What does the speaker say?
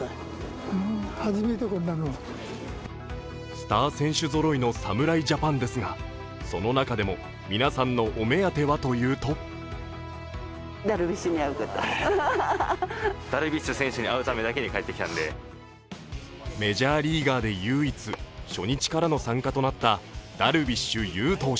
スター選手ぞろいの侍ジャパンですが、その中でも皆さんのお目当てはというとメジャーリーガーで唯一初日からの参加となったダルビッシュ有投手。